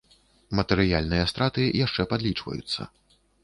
Матэрыяльныя страты яшчэ падлічваюцца.